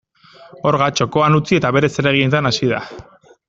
Orga txokoan utzi eta bere zereginetan hasi da.